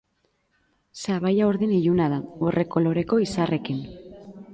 Sabaia urdin iluna da, urre koloreko izarrekin.